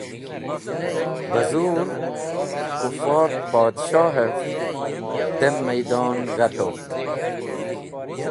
Beh zur kũfor podhshohev dem maydon g̃hatovd.